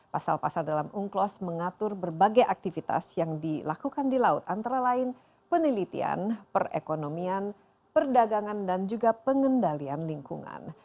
pasal pasal dalam unclos mengatur berbagai aktivitas yang dilakukan di laut antara lain penelitian perekonomian perdagangan dan juga pengendalian lingkungan